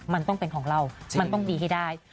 มันต้องเป็นของเรามันต้องดีให้ได้